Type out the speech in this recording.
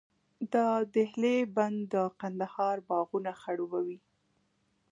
د دهلې بند د کندهار باغونه خړوبوي.